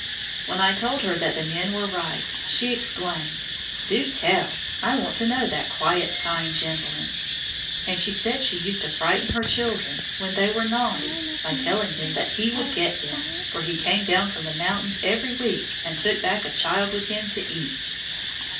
When I told her that the men were right, she exclaimed, "Do tell! I want to know! that quiet, kind gentleman!" and she said she used to frighten her children when they were naughty by telling them that "he would get them, for he came down from the mountains every week, and took back a child with him to eat!"